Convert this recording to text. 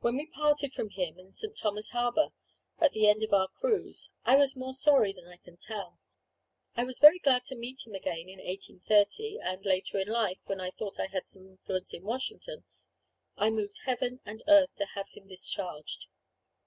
When we parted from him in St. Thomas harbour, at the end of our cruise, I was more sorry than I can tell. I was very glad to meet him again in 1830; and later in life, when I thought I had some influence in Washington, I moved heaven and earth to have him discharged.